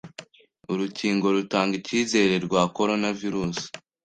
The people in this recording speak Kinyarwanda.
Urukingo rutanga icyizere rwa Coronavirus